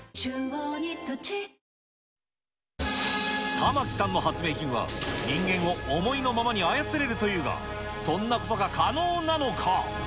玉城さんの発明品は、人間を思いのままに操れるというが、そんなことが可能なのか。